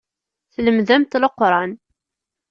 Tlemdemt Leqran.